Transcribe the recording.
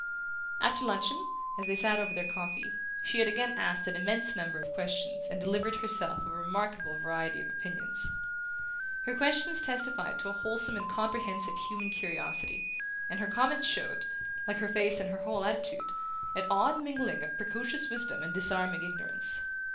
After luncheon, as they sat over their coffee, she had again asked an immense number of questions and delivered herself of a remarkable variety of opinions. Her questions testified to a wholesome and comprehensive human curiosity, and her comments showed, like her face and her whole attitude, an odd mingling of precocious wisdom and disarming ignorance.